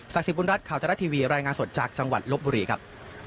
ศักดิ์สิทธิ์บุญรัฐข่าวจรัฐทีวีรายงานสดจากจังหวัดรบบุรีครับ